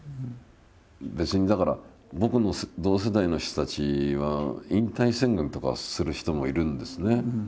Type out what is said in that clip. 別にだから僕の同世代の人たちは引退宣言とかをする人もいるんですね。